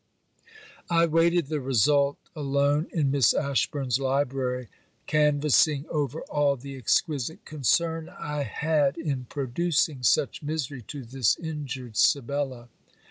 I waited the result alone in Miss Ashburn's library, canvassing over all the exquisite concern I had in producing such misery to this injured Sibella.